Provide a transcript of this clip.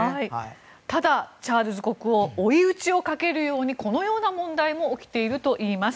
ただ、チャールズ国王追い打ちをかけるようにこのような問題も起きているといいます。